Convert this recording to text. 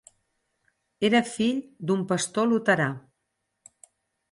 Era fill d'un pastor luterà.